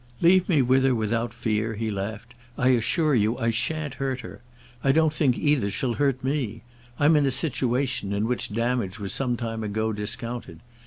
Leave me with her without fear," he laughed; "I assure you I shan't hurt her. I don't think either she'll hurt me: I'm in a situation in which damage was some time ago discounted.